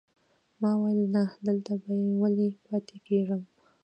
ما ویل نه، دلته به ولې پاتې کېږم.